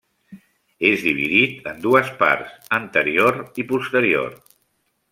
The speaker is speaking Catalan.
És dividit en dues parts: anterior i posterior.